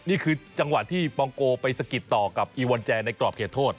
นี่คือจังหวะที่ปองโกไปสะกิดต่อกับอีวอนแจในกรอบเขตโทษ